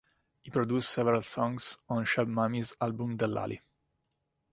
He produced several songs on Cheb Mami's album Dellali.